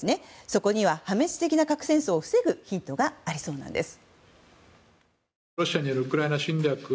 そこでは破滅的な核戦争を防ぐヒントがありそうです。